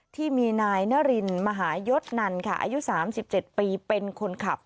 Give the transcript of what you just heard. ที่มีนายนารินมหายศนันค่ะอายุ๓๗ปีเป็นคนขับ